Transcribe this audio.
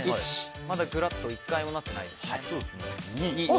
まだ、ぐらっと１回もなってないですね。